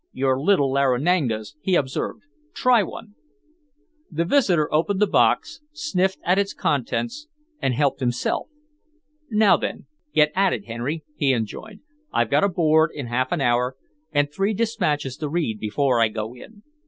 "Your little Laranagas," he observed. "Try one." The visitor opened the box, sniffed at its contents, and helped himself. "Now, then, get at it, Henry," he enjoined. "I've a Board in half an hour, and three dispatches to read before I go in.